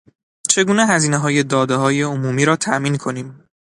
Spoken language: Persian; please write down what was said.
چگونه هزینههای دادههای عمومی را تامین کنیم